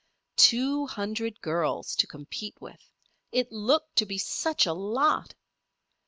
Two hundred girls to compete with! It looked to be such a lot!